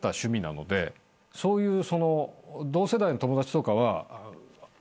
そういう同世代の友達とかは。